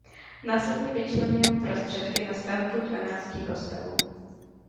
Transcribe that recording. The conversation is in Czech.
Následně vyčlenil prostředky na stavbu dvanácti kostelů.